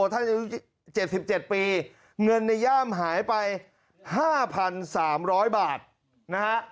ท่านอยู่เจ็ดสิบเจ็ดปีเงินในย่ามหายไปห้าพันสามร้อยบาทนะฮะ